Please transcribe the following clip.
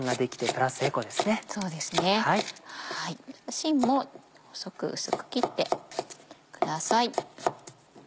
しんも細く薄く切ってください。